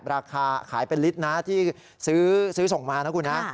ราคาขายเป็นลิตรนะที่ซื้อส่งมานะคุณนะ